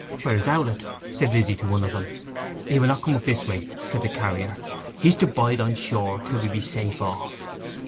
'Where is Owlett?' said Lizzy to one of them. 'He will not come up this way,' said the carrier. 'He's to bide on shore till we be safe off.